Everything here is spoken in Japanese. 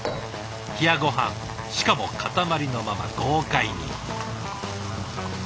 冷やごはんしかも塊のまま豪快に。